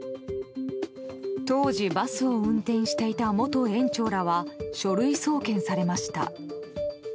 当時バスを運転していた元園長らは書類送検されました。